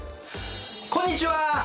こんにちは。